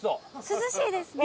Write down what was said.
涼しいですね。